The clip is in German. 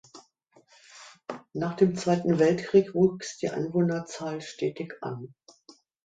Nach dem Zweiten Weltkrieg wuchs die Einwohnerzahl stetig an.